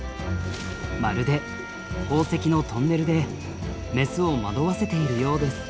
まるで宝石のトンネルでメスを惑わせているようです。